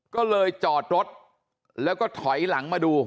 ก็เลยจอดรถแล้วก็ถอยหลังมาดู